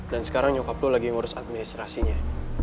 dan sekarang nyokap lo lagi ngurus administrasinya